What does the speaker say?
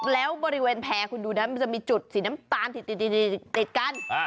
แล้วบริเวณแพร่คุณดูนะมันจะมีจุดสีน้ำตาลติดกัน